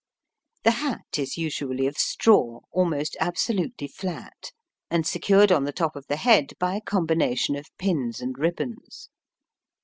The hat is usually of straw, almost absolutely flat, and secured on the top of the head by a combination of pins and ribbons.